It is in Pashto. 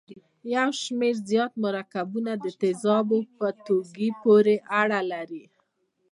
یو شمیر زیات مرکبونه د تیزابو په ټولګي پورې اړه لري.